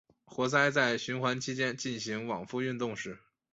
活塞在循环期间进行往复运动时。